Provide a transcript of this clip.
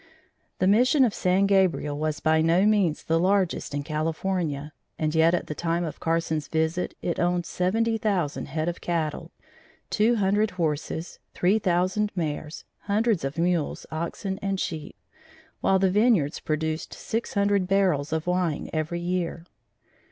The Mission of San Gabriel was by no means the largest in California, and yet at the time of Carson's visit it owned 70,000 head of cattle, 200 horses, 3,000 mares, hundreds of mules, oxen and sheep, while the vineyards produced 600 barrels of wine every year.